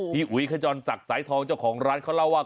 อุ๋ยขจรศักดิ์สายทองเจ้าของร้านเขาเล่าว่า